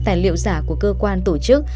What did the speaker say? tài liệu giả của cơ quan tổ chức